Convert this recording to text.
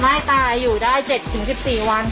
ให้ตายอยู่ได้๗๑๔วัน